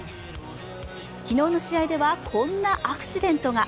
昨日の試合ではこんなアクシデントが。